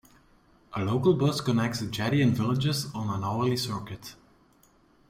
A local bus connects the jetty and villages on an hourly circuit.